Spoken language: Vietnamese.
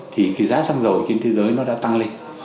thì cái giá xăng dầu trên thế giới nó đã tăng lên